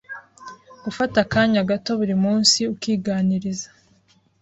gufata akanya gato buri munsi ukiganiriza